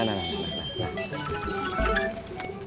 nah nah nah